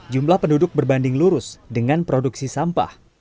jumlah penduduk berbanding lurus dengan produksi sampah